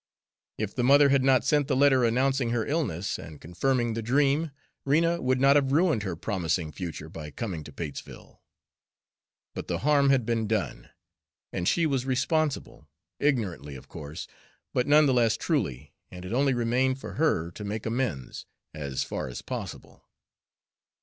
If the mother had not sent the letter announcing her illness and confirming the dream, Rena would not have ruined her promising future by coming to Patesville. But the harm had been done, and she was responsible, ignorantly of course, but none the less truly, and it only remained for her to make amends, as far as possible.